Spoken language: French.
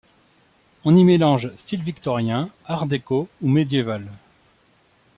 On y mélange style victorien, art déco ou médieval.